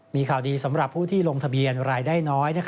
มีข่าวดีสำหรับผู้ที่ลงทะเบียนรายได้น้อย